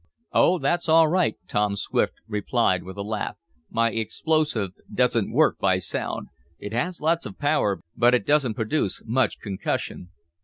"Oh, that's all right," Tom Swift replied, with a laugh. "My explosive doesn't work by sound. It has lots of power, but it doesn't produce much concussion."